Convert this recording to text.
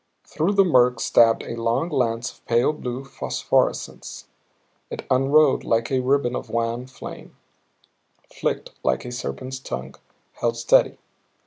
Through the murk stabbed a long lance of pale blue phosphorescence. It unrolled like a ribbon of wan flame, flicked like a serpent's tongue held steady.